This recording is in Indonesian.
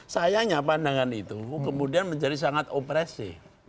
sayangnya pandangan itu kemudian menjadi sangat opresi